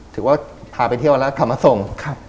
ถือว่าพาไปเที่ยวแล้วกลับมาส่ง